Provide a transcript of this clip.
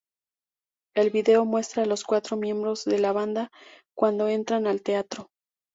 El video muestra a los cuatro miembros de la banda cuando entran al teatro.